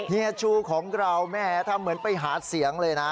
เฮียชูของเราแม่ทำเหมือนไปหาเสียงเลยนะ